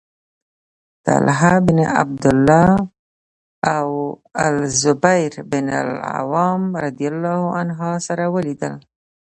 طلحة بن عبد الله او الزبير بن العوام رضي الله عنهما سره ولیدل